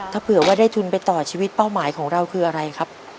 ถ้าเผื่อว่าได้ทุนไปต่อชีวิตเป้าหมายของเราคืออะไรครับ